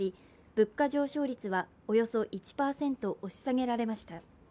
物価上昇率はおよそ１％押し下げられました。